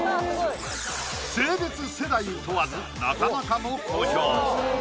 性別・世代問わずなかなかの好評！